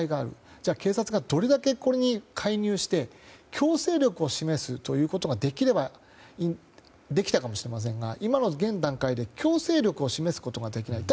じゃあ警察がどれだけこれに介入して強制力を示すということができたかもしれませんが今の現段階で強制力を示すことができない。